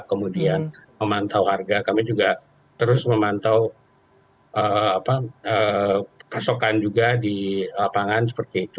kemudian memantau harga kami juga terus memantau pasokan juga di lapangan seperti itu